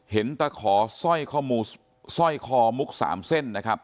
เห็นตะขอสร้อยคอมุก๓เส้นนะครับ